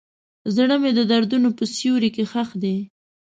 زړه مې د دردونو په سیوري کې ښخ دی.